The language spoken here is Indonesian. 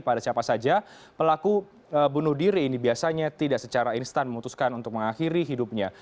pada siapa saja pelaku bunuh diri ini biasanya tidak secara instan memutuskan untuk mengakhiri hidupnya